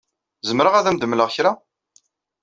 Zemreɣ ad am-d-mleɣ kra?